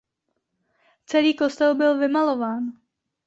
Celý kostel byl vymalován.